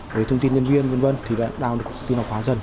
với thông tin nhân viên v v thì đã đạt được kinh hoạt hóa dần